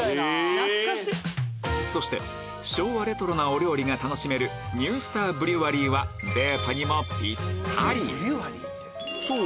そして昭和レトロなお料理が楽しめるニュースターブリュワリーはそう！